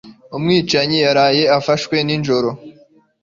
Umwicanyi yaraye afashwe nijoro.